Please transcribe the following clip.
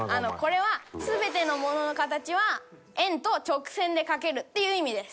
これは全てのものの形は円と直線で描けるっていう意味です。